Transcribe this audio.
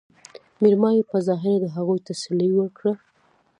مېرمايي په ظاهره د هغوي تسلې وکړه